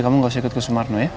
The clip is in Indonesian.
kamu gak usah ikut ke sumarno ya